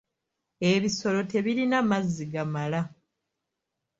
Ebisolo tebirina mazzi gamala.